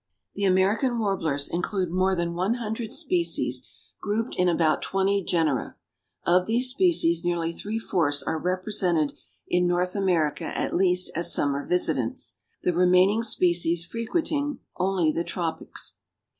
The American Warblers include more than one hundred species grouped in about twenty genera. Of these species nearly three fourths are represented in North America at least as summer visitants, the remaining species frequenting only the tropics.